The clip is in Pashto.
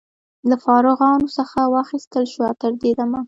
له فارغانو څخه واخیستل شوه. تر دې دمه